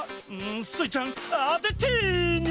スイちゃんあててニャ！